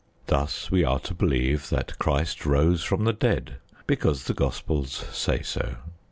Thus we are to believe that Christ rose from the dead because the Gospels say so.